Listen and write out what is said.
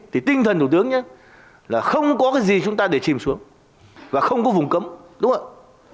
thì tinh thần thủ tướng nhé là không có cái gì chúng ta để chìm xuống và không có vùng cấm đúng không